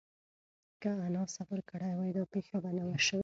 که انا صبر کړی وای، دا پېښه به نه وه شوې.